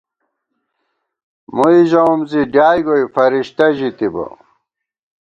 مُوئی ژَوُم زی ڈیائےگوئی فرشتہ ژِتِبہ